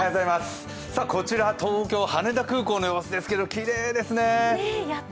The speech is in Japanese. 東京・羽田空港の様子ですけど、きれいですね。